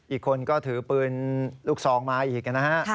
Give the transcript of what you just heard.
อีกคนก็ถือปืนลูกศองมาอีก